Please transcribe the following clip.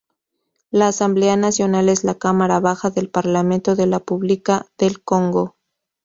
La Asamblea Nacional es la cámara baja del Parlamento de la República del Congo.